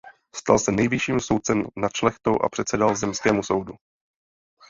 Stal se nejvyšším soudcem nad šlechtou a předsedal zemskému soudu.